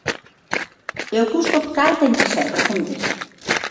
E o custo, ¿cal ten que ser?, pregúntolle.